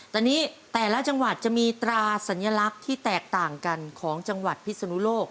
ตอนนี้แต่ละจังหวัดจะมีตราสัญลักษณ์ที่แตกต่างกันของจังหวัดพิศนุโลก